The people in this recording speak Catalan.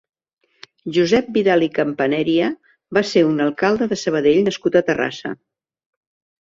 Josep Vidal i Campaneria va ser un alcalde de Sabadell nascut a Terrassa.